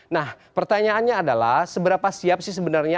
nah pertanyaannya adalah seberapa siap sih sebenarnya